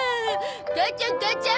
母ちゃん母ちゃん。